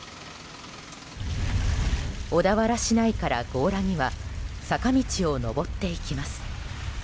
小田原市内から強羅には坂道を上っていきます。